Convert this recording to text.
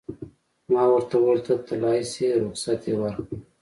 ما ورته وویل: ته تلای شې، رخصت یې ورکړ.